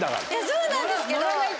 そうなんですけど。